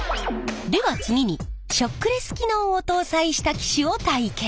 では次にショックレス機能を搭載した機種を体験。